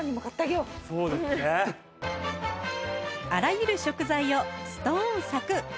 あらゆる食材をストーンサクッ！